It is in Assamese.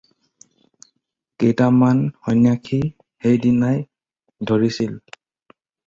কেইটামান সন্যাসী সেই দিনাই ধৰিছিল।